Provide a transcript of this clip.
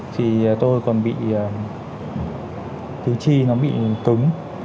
thì tôi còn bị thứ chi nó bị cứng